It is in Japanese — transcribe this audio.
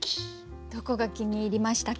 どこが気に入りましたか？